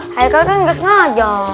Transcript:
haikal kan nggak sengaja